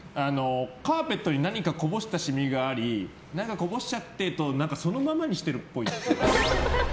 カーペットに何かこぼした染みがあり何かこぼしちゃってとそのままにしてるっぽい。